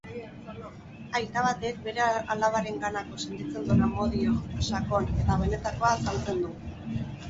Aita batek bere alabarenganako sentitzen duen amodio sakon eta benetakoa azaltzen du.